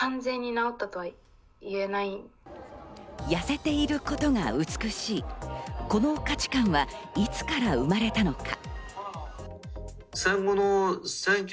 痩せていることが美しい、この価値感はいつから生まれたのか。